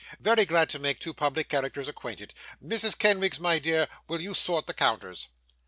Very glad to make two public characters acquainted! Mrs. Kenwigs, my dear, will you sort the counters?